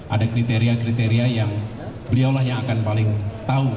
ada kriteria kriteria yang beliau lah yang akan paling tahu